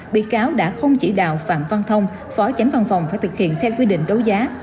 bị cáo đã không chỉ đào phạm văn thông phó chánh văn phòng phải thực hiện theo quy định đấu giá